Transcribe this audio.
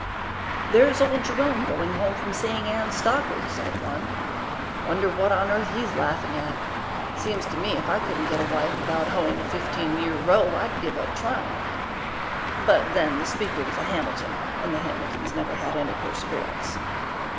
"There's old Jerome going home from seeing Anne Stockard," said one. "Wonder what on earth he's laughing at. Seems to me if I couldn't get a wife without hoeing a fifteen year row, I'd give up trying." But, then, the speaker was a Hamilton, and the Hamiltons never had any perseverance.